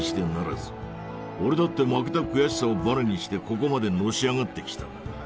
俺だって負けた悔しさをバネにしてここまでのし上がってきた。